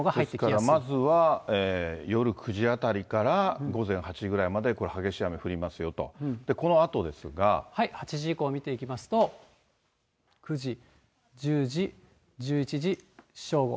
ですからまずは、夜９時あたりから午前８時ぐらいまで、これ、激しい雨降りますよ８時以降見ていきますと、９時、１０時、１１時、正午。